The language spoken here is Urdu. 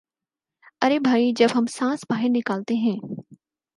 ارے بھئی جب ہم سانس باہر نکالتے ہیں